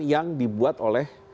yang dibuat oleh